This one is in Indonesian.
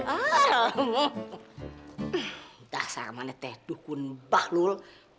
aneh dasar mana teh dukun bahlul